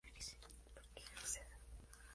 Moore argumenta contra el Consecuencialismo.